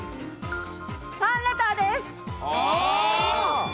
ファンレターです。